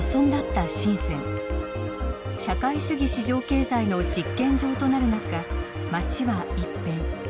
社会主義市場経済の実験場となる中街は一変。